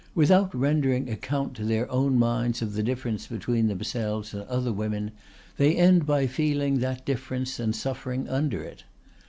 Without rendering account to their own minds of the difference between themselves and other women, they end by feeling that difference and suffering under it.